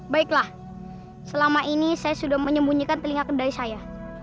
baiklah selama ini saya sudah menyembunyikan telinga kendali saya